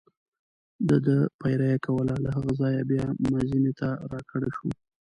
دده پیره یې کوله، له هغه ځایه بیا مزینې ته را کډه شو.